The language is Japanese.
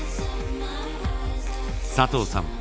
佐藤さん